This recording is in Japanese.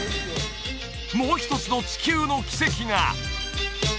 もう一つの地球の奇跡が！